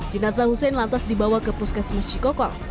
jenazah hussein lantas dibawa ke puskesmas cikokol